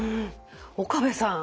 岡部さん。